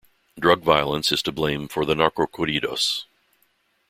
Drug violence is to blame for narcocorridos.